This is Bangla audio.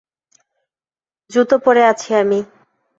জুতো পরে আছি আমি।